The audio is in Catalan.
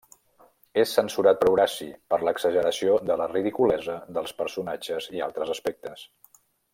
És censurat per Horaci per l'exageració de la ridiculesa dels personatges i altres aspectes.